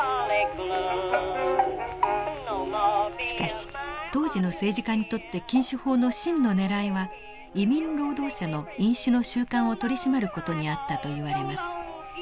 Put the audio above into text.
しかし当時の政治家にとって禁酒法の真のねらいは移民労働者の飲酒の習慣を取り締まる事にあったといわれます。